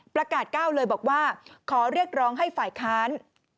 ประกาศก้าวเลยบอกว่าขอเรียกร้องให้ฝ่ายค้าน